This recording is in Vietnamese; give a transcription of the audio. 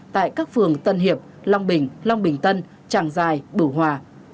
tại các phường tân hiệp long bình long bình tân tràng giài bửu hòa